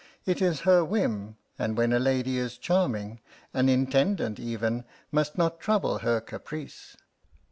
It is her whim; and when a lady is charming, an Intendant, even, must not trouble her caprice."